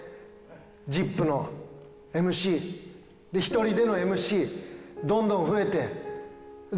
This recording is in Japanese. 『ＺＩＰ！』のＭＣ１人でのＭＣどんどん増えて全然うれしいよ。